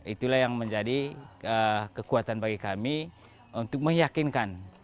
itulah yang menjadi kekuatan bagi kami untuk meyakinkan